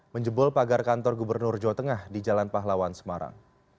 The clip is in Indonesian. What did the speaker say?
menjebol pagar kantor gubernur jawa tengah di jalan pahlawan semarang